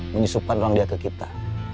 menyusupkan uang dia ke kita